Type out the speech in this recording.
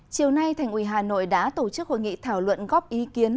chiều nay thành ủy hà nội đã tổ chức hội nghị thảo luận góp ý kiến